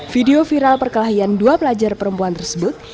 video viral perkelahian dua pelajar perempuan tersebut